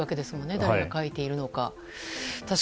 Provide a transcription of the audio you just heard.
誰が書いているのか。